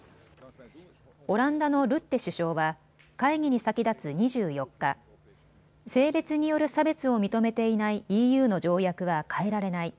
オランダのルッテ首相は会議に先立つ２４日、性別による差別を認めていないＥＵの条約は変えられない。